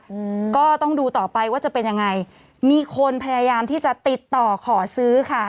อืมก็ต้องดูต่อไปว่าจะเป็นยังไงมีคนพยายามที่จะติดต่อขอซื้อค่ะ